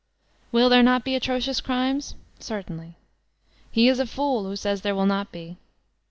Will there not be atrocious crimes? Certainly. He is a fool who says there will not be.